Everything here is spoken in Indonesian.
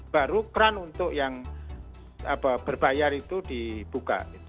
baru peran untuk yang berbayar itu dibuka